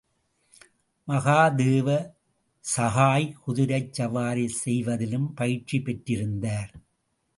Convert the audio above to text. மகாதேவ சஹாய் குதிரைச் சவாரி செய்வதிலும் பயிற்சி பெற்றிருந்தார்.